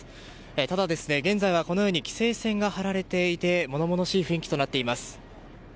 ただ、現在はこのように規制線が張られていて物々しい雰囲気となっています。